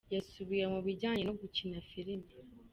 Yasubiye mu bijyanye no gukina filime.